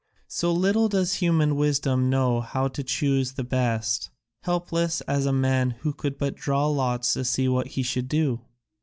So little does human wisdom know how to choose the best, helpless as a man who could but draw lots to see what he should do.